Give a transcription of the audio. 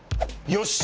よし！